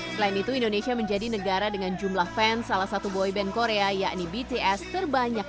selain itu indonesia menjadi negara dengan jumlah fans salah satu boyband korea yakni bts terbanyak